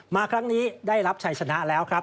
มาครั้งนี้ได้รับชัยชนะแล้วครับ